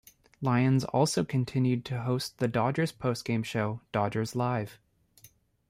Lyons also continued to host the Dodgers' post-game show "Dodgers Live".